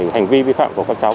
hành vi vi phạm của các cháu